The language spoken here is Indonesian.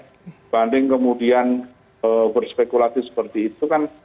sebanding kemudian berspekulasi seperti itu kan